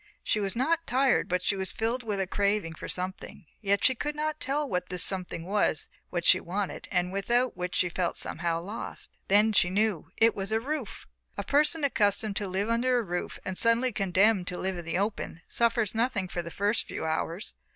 She was not tired, but she was filled with a craving for something, yet she could not tell what this something was that she wanted and without which she felt somehow lost. Then she knew it was a roof. A person accustomed to live under a roof and suddenly condemned to live in the open suffers nothing for the first few hours.